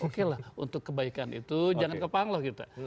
oke lah untuk kebaikan itu jangan kepang loh kita